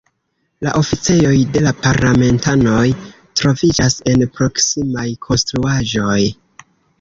La oficejoj de la parlamentanoj troviĝas en proksimaj konstruaĵoj.